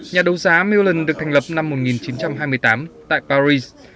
nhà đấu giá milan được thành lập năm một nghìn chín trăm hai mươi tám tại paris